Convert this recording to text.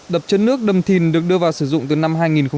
đập chân nước đầm thìn được đưa vào sử dụng từ năm hai nghìn một mươi